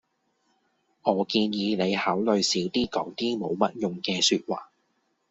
我建議你考慮少啲講啲冇乜用嘅說話